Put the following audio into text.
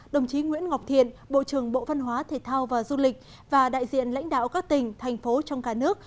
đồng chí nguyễn ngọc thiện bộ trưởng bộ văn hóa thể thao và du lịch và đại diện lãnh đạo các tỉnh thành phố trong cả nước